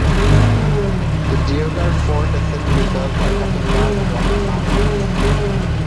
The Deogarh fort is said to be built by cutting large rocky mountains.